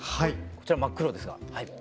こちら真っ黒ですが。